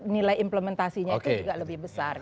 nilai implementasinya itu juga lebih besar